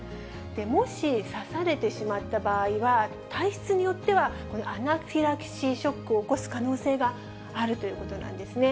もし、刺されてしまった場合は、体質によってはアナフィラキシーショックを起こす可能性があるということなんですね。